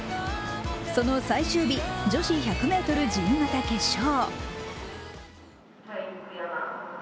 その最終日女子１００ｍ自由形決勝。